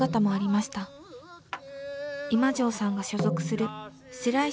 今城さんが所属する白石